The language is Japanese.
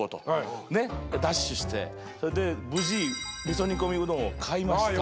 ダッシュしてそれで無事味噌煮込みうどんを買いました。